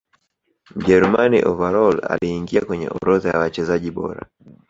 mjerumani overall aliingia kwenye orodha ya wachezaji bora